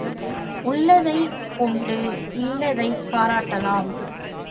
உள்ளதைக் கொண்டு இல்லதைப் பாராட்டலாம்.